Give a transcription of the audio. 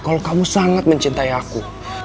kalau kamu sangat mencintai aku